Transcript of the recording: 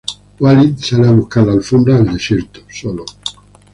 Walid sale a buscar la alfombra al desierto, solo.